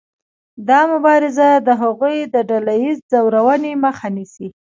دا مبارزه د هغوی د ډله ایزې ځورونې مخه نیسي.